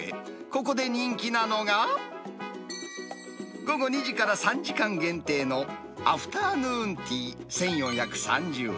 ここで人気なのが、午後２時から３時間限定のアフターヌーンティー１４３０円。